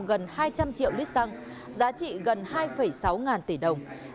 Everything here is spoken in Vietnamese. gần hai trăm linh triệu lít xăng giá trị gần hai sáu ngàn tỷ đồng